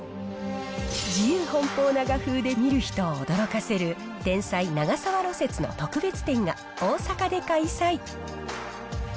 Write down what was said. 自由奔放な画風で見る人を驚かせる天才、長沢芦雪の特別展が大阪で開催。